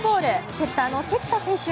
セッターの関田選手。